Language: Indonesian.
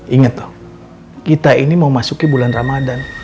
ingat kita ini mau masukin bulan ramadhan